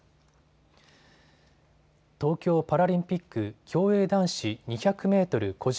東京パラリンピック競泳男子２００メートル